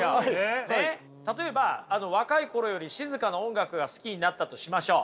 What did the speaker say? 例えば若い頃より静かな音楽が好きになったとしましょう。